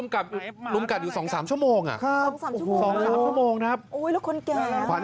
โอ้โหโดนรุ่มกัดอยู่๒๓ชั่วโมงอะเว้ยเออโอ้โหแล้วคน